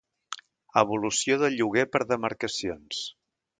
Evolució del lloguer per demarcacions.